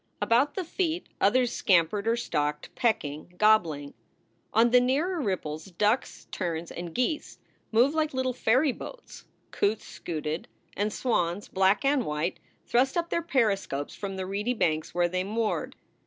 About the feet others scampered or stalked, pecking, gobbling. On the nearer ripples ducks, terns, and geese moved like little ferryboats; coots scooted, and swans, black and white, thrust up their periscopes from the reedy banks where they moored.